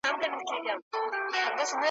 مور او پلار چي زاړه سي تر شکرو لا خواږه سي ,